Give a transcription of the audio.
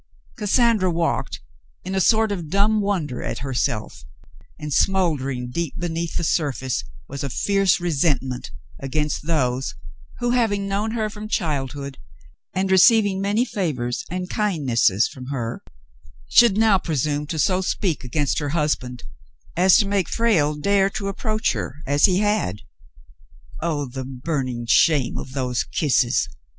Cassandra walked in a sort of dumb wonder at herself, and smouldering deep beneath the surface was a fierce resentment against those who, having known her from childhood, and receiving many favors and kindnesses from her, should now presume to so speak against her husband as to make Frale dare to approach her as he had. Oh, the burning shame of those kisses